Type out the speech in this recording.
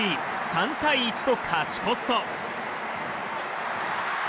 ３対１と勝ち越すと。